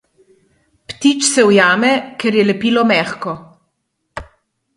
Ptič se ujame, ker je lepilo mehko.